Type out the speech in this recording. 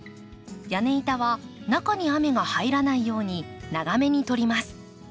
屋根板は中に雨が入らないように長めに取ります。